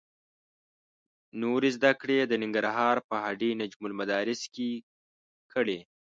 نورې زده کړې یې د ننګرهار په هډې نجم المدارس کې کړې.